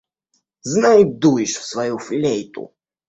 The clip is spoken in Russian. Знай дуешь в свою флейту!